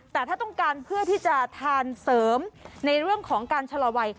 แต่ถ้าต้องการเพื่อที่จะทานเสริมในเรื่องของการชะลอวัย